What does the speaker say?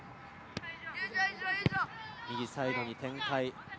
右サイドに展開。